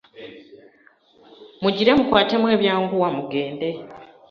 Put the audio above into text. Mugire mukwatemu ebyanguwa mugende.